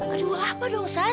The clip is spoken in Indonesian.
aduh apa dong san